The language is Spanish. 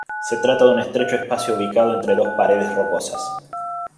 Se trata de un estrecho espacio ubicado entre dos paredes rocosas.